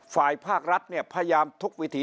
ฝ่ายภาครัฐพยายามทุกวิธี